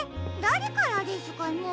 だれからですかね。